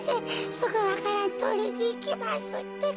すぐわからんとりにいきますってか。